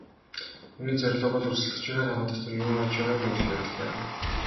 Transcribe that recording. Миний зорилго бол өрсөлдөгчийнхөө толгой дотор юу болж байгааг мэдэх явдал юм.